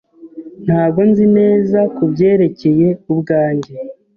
Ntabwo nzi neza kubyerekeye ubwanjye.